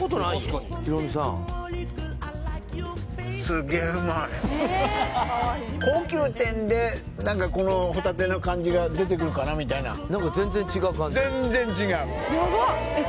確かにヒロミさん高級店で何かこのホタテの感じが出てくるかなみたいな何か全然違う感じ？